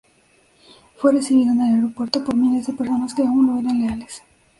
Fue recibido en el aeropuerto por miles de personas que aún le eran leales.